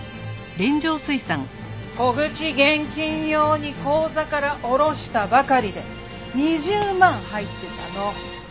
小口現金用に口座から下ろしたばかりで２０万入ってたの。